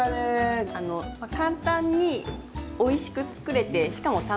簡単においしく作れてしかも楽しい。